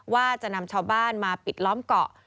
ว่าจะนำชาวบ้านมาปิดล้อมเกาะ